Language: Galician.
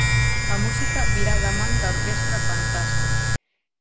A música virá da man da orquestra Pantasma.